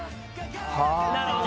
なるほど！